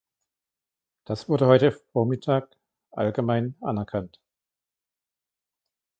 Das wurde heute vormittag allgemein anerkannt.